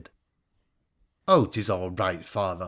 Oh, 'tis all right, father